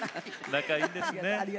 仲いいんですね。